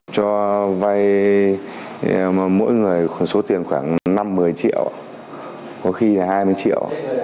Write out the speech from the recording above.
cho vay mỗi người số tiền khoảng năm một mươi triệu có khi là hai mươi triệu